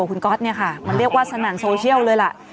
คุณก๊อตเนี่ยค่ะมันเรียกว่าสนั่นโซเชียลเลยล่ะ